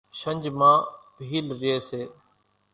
شنجھ مان ڀيل ريئيَ سي۔